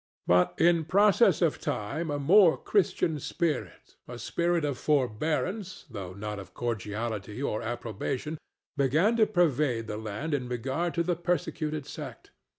But in process of time a more Christian spirit—a spirit of forbearance, though not of cordiality or approbation—began to pervade the land in regard to the persecuted sect.